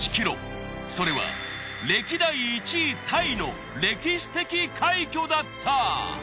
それは歴代１位タイの歴史的快挙だった。